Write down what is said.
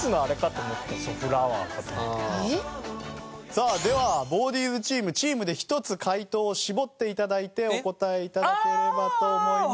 さあではＢＡＷＤＩＥＳチームチームで一つ解答を絞って頂いてお答え頂ければと思います。